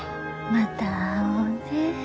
また会おうね。